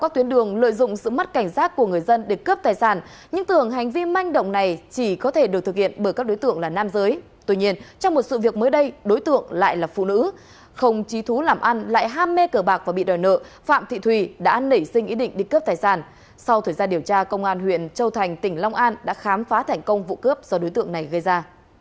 tuy nhiên trong một sự việc mới đây đối tượng lại là phụ nữ không trí thú làm ăn lại ham mê cờ bạc và bị đòi nợ phạm thị thùy đã nảy sinh ý định đi cướp tài sản sau thời gian điều tra công an huyện châu thành tỉnh long an đã khám phá thành công vụ cướp do đối tượng này gây ra